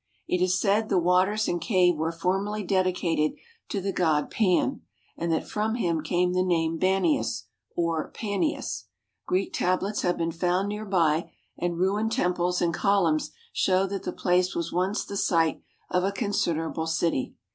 It is said the waters and cave were formerly dedicated to the god Pan, and that from him came the name Banias, or Panias. Greek tablets have been found near by, and ruined temples and columns show that the place was once the site of a considerable city.